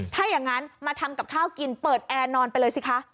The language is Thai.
ถ้าอย่างนั้นมาทำกับข้าวกินเปิดแอร์นอนไปเลยสิคะ